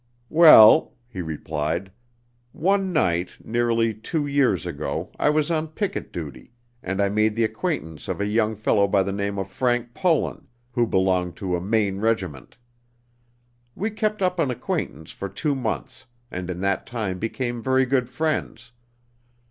"Well," he replied, "one night nearly two years ago I was on picket duty, and I made the acquaintance of a young fellow by the name of Frank Pullen, who belonged to a Maine regiment. We kept up an acquaintance for two months and in that time became very good friends.